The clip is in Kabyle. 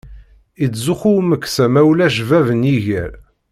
Ittzuxxu umeksa ma ulac bab n yiger.